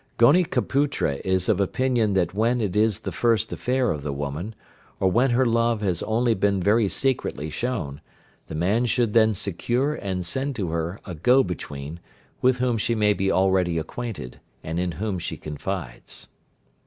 Gonikaputra is of opinion that when it is the first affair of the woman, or when her love has only been very secretly shown, the man should then secure and send to her a go between, with whom she may be already acquainted, and in whom she confides.